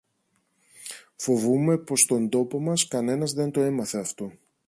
Φοβούμαι πως στον τόπο μας κανένας δεν το έμαθε αυτό.